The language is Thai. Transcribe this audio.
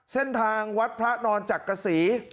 เส้นทางวัดพระนอนจักรศรี